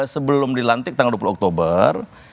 sebelum dilantik tanggal dua puluh oktober